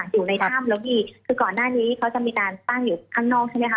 อยู่ในถ้ำแล้วพี่คือก่อนหน้านี้เขาจะมีการตั้งอยู่ข้างนอกใช่ไหมคะ